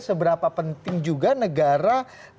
seberapa penting juga negara